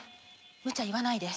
むちゃ言わないで。